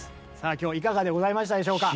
今日いかがでございましたでしょうか？